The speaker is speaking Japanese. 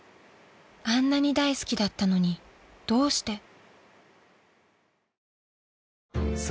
［あんなに大好きだったのにどうして？］